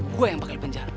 gue yang bakal di penjara